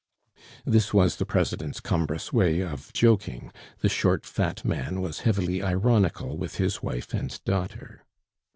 This was the President's cumbrous way of joking; the short, fat man was heavily ironical with his wife and daughter.